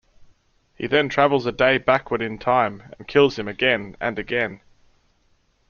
He then travels a day backward in time and kills him again...and again.